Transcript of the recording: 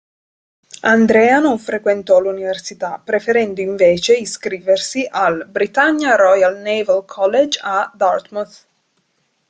Andrea non frequentò l'università, preferendo invece iscriversi al Britannia Royal Naval College a Dartmouth.